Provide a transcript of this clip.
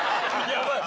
ヤバい！